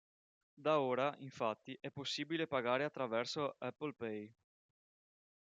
Da ora, infatti, è possibile pagare attraverso Apple Pay.